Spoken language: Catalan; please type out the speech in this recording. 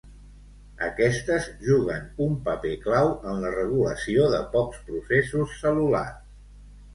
Aquestes juguen un paper clau en la regulació de pocs processos cel·lulars.